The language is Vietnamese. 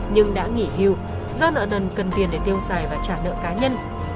nhưng đã nghỉ hưu do nợ nần cần tiền để tiêu xài và trả nợ cá nhân